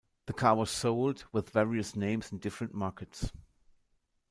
The car was sold with various names in different markets.